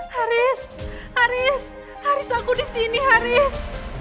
haris haris haris aku disini haris